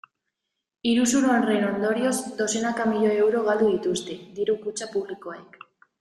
Iruzur horren ondorioz dozenaka milioi euro galdu dituzte diru-kutxa publikoek.